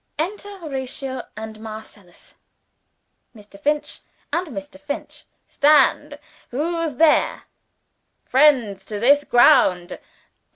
Enter Horatio and Marcellus" (Mr. Finch and Mr. Finch.) "Stand! Who's there?" "Friends to this ground."